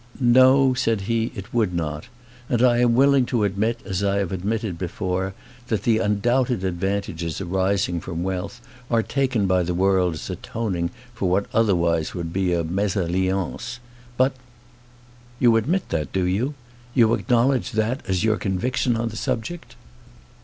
"No," said he, "it would not. And I am willing to admit, as I have admitted before, that the undoubted advantages arising from wealth are taken by the world as atoning for what otherwise would be a mésalliance. But " "You admit that, do you? You acknowledge that as your conviction on the subject?"